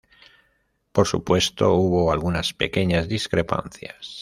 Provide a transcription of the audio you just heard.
Por supuesto, hubo algunas pequeñas discrepancias.